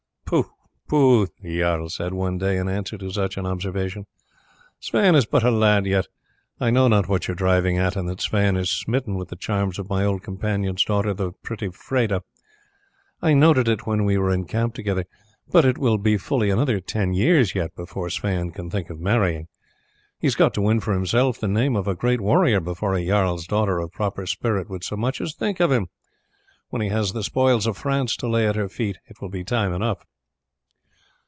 "Pooh! pooh!" the jarl said one day in answer to such an observation. "Sweyn is but a lad yet. I know what you are driving at, and that Sweyn is smitten with the charms of my old companion's daughter, the pretty Freda; I noted it when we were in camp together; but it will be fully another ten years yet before Sweyn can think of marrying. He has got to win for himself the name of a great warrior before a jarl's daughter of proper spirit would so much as think of him. When he has the spoils of France to lay at her feet it will be time enough."